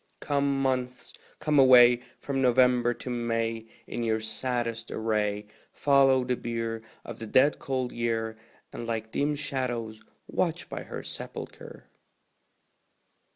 Come, Months, come away, From November to May, In your saddest array; Follow the bier Of the dead cold Year, And like dim shadows watch by her sepulchre.